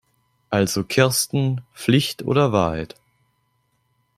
Also Kirsten, Pflicht oder Wahrheit?